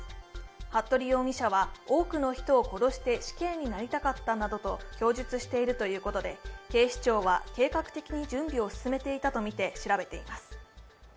服部容疑者は、多くの人を殺して死刑になりたかったなどと供述しているということで、警視庁は計画的に準備を進めていたとみて調べています。